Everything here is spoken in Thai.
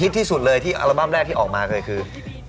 ที่สุดเลยที่อัลบั้มแรกที่ออกมาคือ